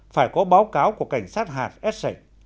phải có báo cáo của cảnh sát hạt